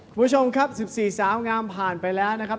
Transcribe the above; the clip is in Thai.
คุณผู้ชมครับ๑๔สาวงามผ่านไปแล้วนะครับ